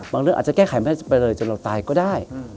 เรื่องอาจจะแก้ไขไม่ได้ไปเลยจนเราตายก็ได้